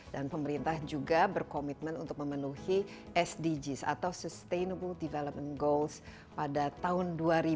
dan pemerintah juga berkomitmen untuk memenuhi sdgs atau sustainable development goals pada tahun dua ribu tiga puluh